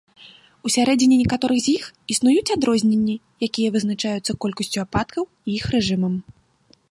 Усярэдзіне некаторых з іх існуюць адрозненні, якія вызначаюцца колькасцю ападкаў і іх рэжымам.